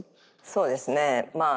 そうですねまあ。